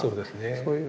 そういう。